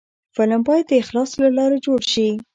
فلم باید د اخلاص له لارې جوړ شي